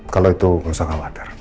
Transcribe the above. kalau itu nggak usah khawatir